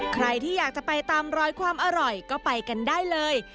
ใครที่อยากจะไปตามรอยความอร่อยก็ไปกันได้เลย